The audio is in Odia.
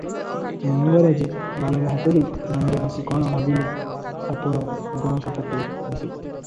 ମଙ୍ଗରାଜେ ଗାଲରେ ହାତ ଦେଇ ଦଣ୍ତେ ବସି କଣ ଭାବିଲେ, ସାପର ଗୋଡ଼ ସାପକୁ ଦିଶେ ।